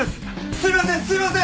すいませんすいません！